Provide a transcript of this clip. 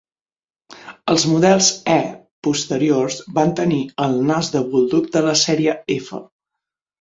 Els models E posteriors van tenir el "nas de bulldog" de la sèrie F.